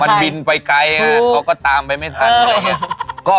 มันบินไปไกลไงอ่ะเขาก็ตามไปไม่ถึง